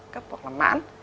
cấp hoặc là mãn